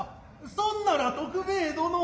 そんなら徳兵衛殿。